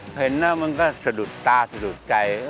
เห็นแล้วมันก็สะดุดตาสะดุดใจ